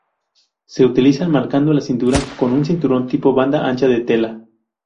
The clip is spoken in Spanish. Se utilizan marcando la cintura con un cinturón tipo banda ancha de tela.